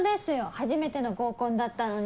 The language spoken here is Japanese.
初めての合コンだったのに。